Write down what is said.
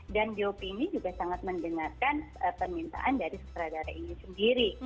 dan dop ini juga sangat mendengarkan permintaan dari sutradara ini sendiri